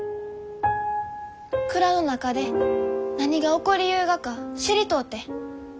蔵の中で何が起こりゆうがか知りとうて。